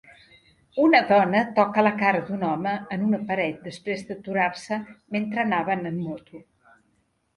Una dona toca la cara d'un home en una paret després d'aturar-se mentre anaven en moto